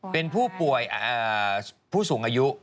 เป็นผู้ป่วยผู้สูงอายุ